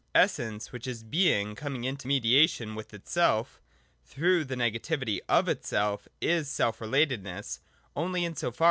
Es sence, — which is Being coming into mediation with itself through the negativity of itself — is self relatedness, only in so far a!